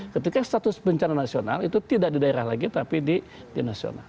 ketika status bencana nasional itu tidak di daerah lagi tapi di nasional